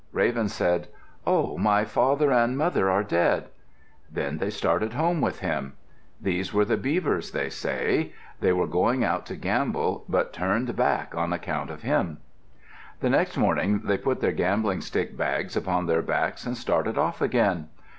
Raven said, "Oh, my father and mother are dead." Then they started home with him. These were the Beavers, they say. They were going out to gamble, but turned back on account of him. The next morning they put their gambling stick bags upon their backs and started off again.